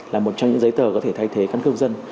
là một trong những giấy tờ có thể thay thế căn cước công dân